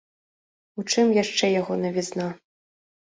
У чым яшчэ яго навізна.